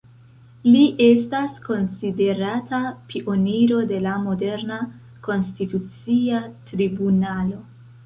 Li estas konsiderata pioniro de la moderna Konstitucia tribunalo.